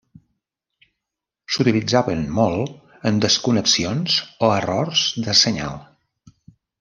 S'utilitzaven molt en desconnexions o errors de senyal.